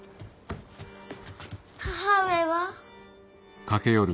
母上は？